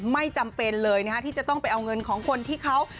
ไม่จำเป็นเลยนะฮะที่จะต้องไปเอาเงินของคนที่เขา